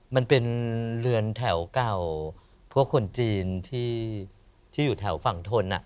มันเป็นเรือนแถวเก่าพวกคนจีนที่อยู่แถวฝั่งทน